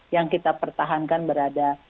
yang kita pertahankan berada